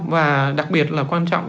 và đặc biệt là quan trọng